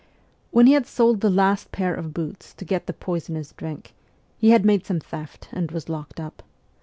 When he had sold the last pair of boots to get the poisonous drink, he had made some theft and was locked up.